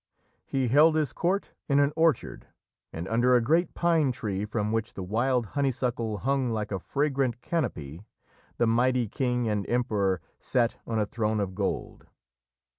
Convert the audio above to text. He held his court in an orchard, and under a great pine tree from which the wild honeysuckle hung like a fragrant canopy, the mighty king and emperor sat on a throne of gold.